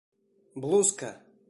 Блузка!